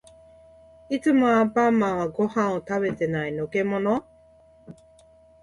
いつもアンパンマンはご飯を食べてない。のけもの？